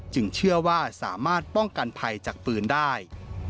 เชื่อว่าสามารถป้องกันภัยจากปืนได้